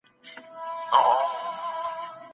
ته ولي زده کړه کوې؟